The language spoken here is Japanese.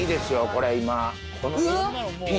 これ今。